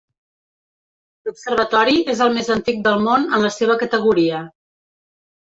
L'observatori és el més antic del món en la seva categoria.